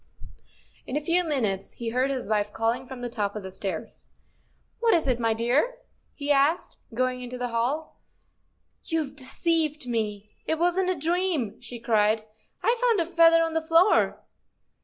" In a few minutes he heard his wife calling from the top of the stairs. " What is it, my dear? " he asked, going into the hall. " You've deceived me, it wasn't a dream," she cried ; I've found a feather on the floor!